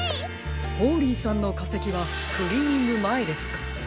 ホーリーさんのかせきはクリーニングまえですか？